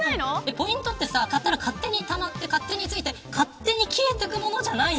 ポイントって勝手にたまって勝手に付いて勝手に消えていくものじゃないの。